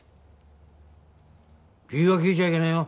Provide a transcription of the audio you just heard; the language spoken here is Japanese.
理由は聞いちゃいけねえよ。